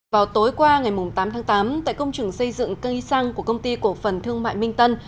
vào tối qua ngày tám tháng tám tại công trường xây dựng cây xăng của công ty cổ phần thương mại minh tân